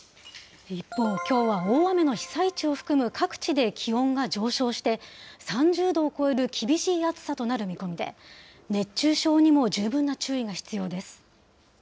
一方、きょうは大雨の被災地を含む各地で気温が上昇して、３０度を超える厳しい暑さとなる見込みで、熱中症にも十分な注意が必要です。